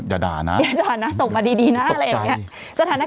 อย่าด่านะส่งมาดีนะอะไรอย่างนี้